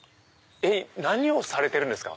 何をされてるんですか？